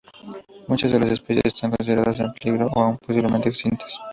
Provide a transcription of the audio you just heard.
Muchas de las especies están consideradas en peligro o aun posiblemente extintas.